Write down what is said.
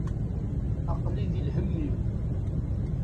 Aql-i di lhemm-iw.